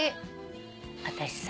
私さ。